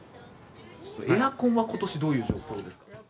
エアコンはことしどういう状況ですか。